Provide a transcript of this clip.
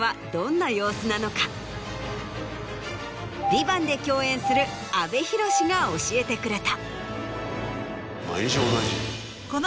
『ＶＩＶＡＮＴ』で共演する阿部寛が教えてくれた。